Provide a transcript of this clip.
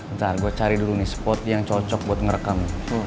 ntar gue cari dulu nih spot yang cocok buat ngerekam